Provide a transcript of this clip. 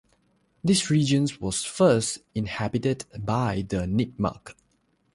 This region was first inhabited by the Nipmuc.